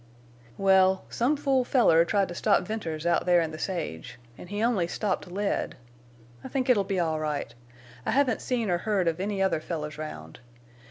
"Well—some fool feller tried to stop Venters out there in the sage—an' he only stopped lead!... I think it'll be all right. I haven't seen or heard of any other fellers round.